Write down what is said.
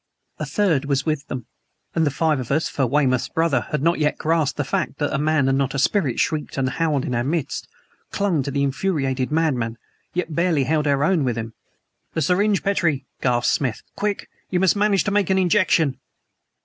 A third was with them; and the five of us (for Weymouth's brother had not yet grasped the fact that a man and not a spirit shrieked and howled in our midst) clung to the infuriated madman, yet barely held our own with him. "The syringe, Petrie!" gasped Smith. "Quick! You must manage to make an injection!"